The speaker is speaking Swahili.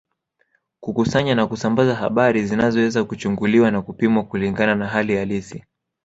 Kukusanya na kusambaza habari zinazoweza kuchunguliwa na kupimwa kulingana na hali halisi